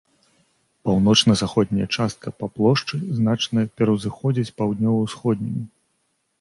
Паўночна-заходняя частка па плошчы значна пераўзыходзіць паўднёва-ўсходнюю.